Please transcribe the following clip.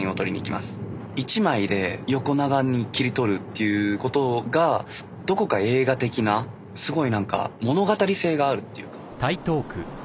１枚で横長に切り取るっていうことがどこか映画的なすごい何か物語性があるっていうか。